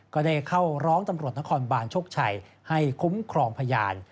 ก็ได้เข้าร้องตำรวจนครบานโชคชัยให้คุ้มครองพยาน